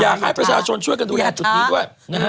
อย่าให้ประชาชนช่วยกันดูแหละจุดนี้ด้วย